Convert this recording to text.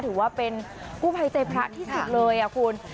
ถือว่าเป็นกู้ภัยใจพระที่สุดเลยคุณ